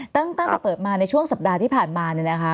ตั้งแต่เปิดมาในช่วงสัปดาห์ที่ผ่านมาเนี่ยนะคะ